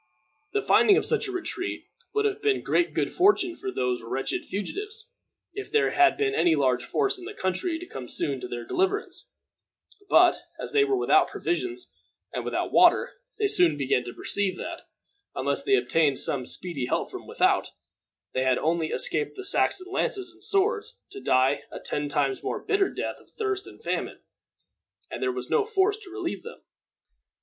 The finding of such a retreat would have been great good fortune for these wretched fugitives if there had been any large force in the country to come soon to their deliverance; but, as they were without provisions and without water, they soon began to perceive that, unless they obtained some speedy help from without, they had only escaped the Saxon lances and swords to die a ten times more bitter death of thirst and famine; and there was no force to relieve them.